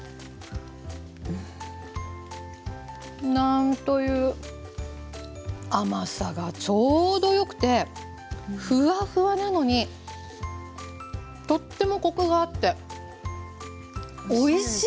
なんという甘さがちょうどよくてふわふわなのにとってもコクがあっておいしいですね！